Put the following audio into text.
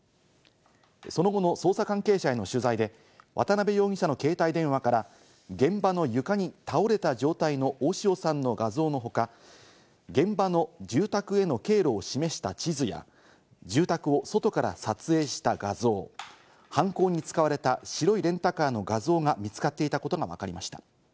その後の捜査関係者への取材で渡辺容疑者の携帯電話から現場の床に倒れた状態の大塩さんの画像の他、現場の住宅への経路を示した地図や住宅を外から撮影した画像、犯行に使われた白いレンタカーの画像が見つかっていたことがわかりました。